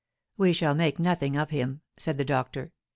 "We shall make nothing of him," said the doctor.